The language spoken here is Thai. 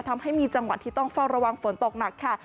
ทำให้มีจังหวัดที่ต้องเฝ้าระวังฝนตกหนักค่ะ